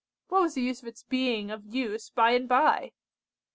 What was the use of its being of use by and by?